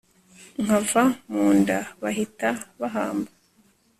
nkava mu nda bahita bahamba